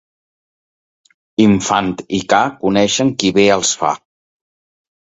Infant i ca coneixen qui bé els fa.